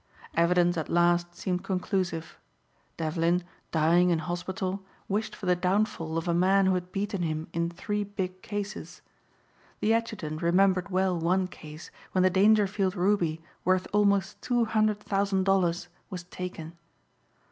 Evidence at last seemed conclusive. Devlin, dying in hospital wished for the downfall of a man who had beaten him in three big cases. The adjutant remembered well one case when the Dangerfield ruby worth almost two hundred thousand dollars was taken.